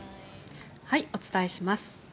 お伝えします。